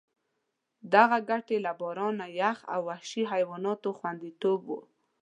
دغه ګټې له باران، یخ او وحشي حیواناتو خوندیتوب وو.